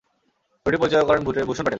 ছবিটি পরিচালনা করেন ভূষণ প্যাটেল।